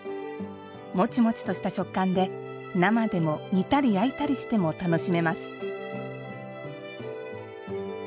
もちもちとした食感で生でも、煮たり焼いたりしても楽しめます。